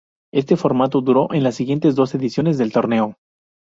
Este formato duró en las siguientes dos ediciones del torneo.